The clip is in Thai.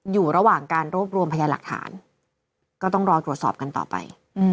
อยู่ระหว่างการรวบรวมพยาหลักฐานก็ต้องรอตรวจสอบกันต่อไป